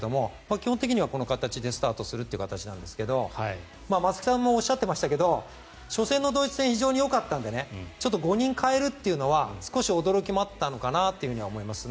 基本的にはこの形でスタートする形なんですが松木さんもおっしゃっていましたが初戦のドイツ戦非常によかったので５人変えるというのは少し驚きもあったのかなと思います。